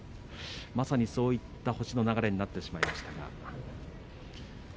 まさにそういった星の流れになってしまいました。